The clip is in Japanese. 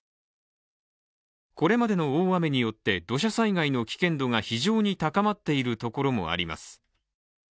これまでの大雨によって土砂災害の危険度が非常に高まっているところもあります。